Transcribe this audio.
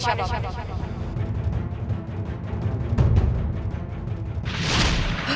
aku ingin hidup tenang